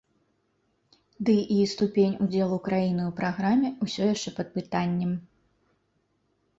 Ды і ступень удзелу краіны ў праграме ўсё яшчэ пад пытаннем.